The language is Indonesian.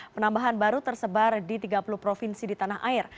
penambahan baru tersebar di tiga puluh provinsi di tanah air